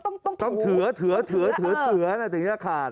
ต้องเฉือตรงนี้ค่ะ